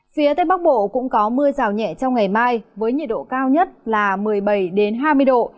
phía tây bắc bộ cũng có mưa rào nhẹ trong ngày mai với nhiệt độ cao nhất là một mươi bảy hai mươi độ